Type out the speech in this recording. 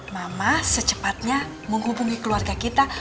mama secepatnya menghubungi keluarga kita